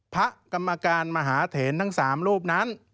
กรรมการมหาเถนทั้ง๓รูปนั้น